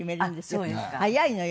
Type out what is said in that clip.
早いのよ。